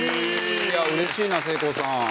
いや嬉しいなせいこうさん。